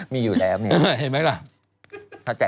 มีอยู่แล้วเนี่ย